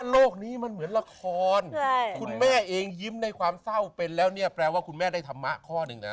โลกนี้มันเหมือนละครคุณแม่เองยิ้มในความเศร้าเป็นแล้วเนี่ยแปลว่าคุณแม่ได้ธรรมะข้อหนึ่งนะ